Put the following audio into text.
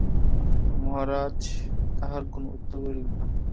মহারাজ তাহার কোনো উত্তর করিলেন না।